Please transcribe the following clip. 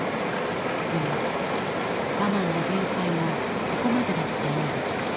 でも我慢の限界もここまでだったようです。